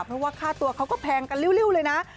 เพราะว่าค่าตัวเขาก็แพงกันริ้วเลยนะ